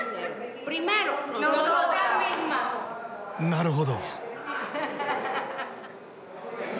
なるほど。